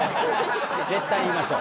絶対言いましょう。